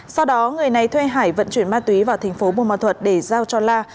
sau đó người này thuê hải vận chuyển ma túy vào tp bùn ma thuật để giao cho la